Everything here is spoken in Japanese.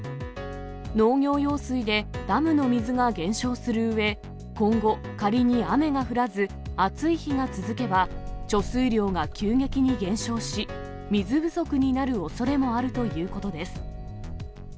農業用水でダムの水が減少するうえ、今後、仮に雨が降らず、暑い日が続けば、貯水量が急激に減少し、水不足になるおそれもあるということです。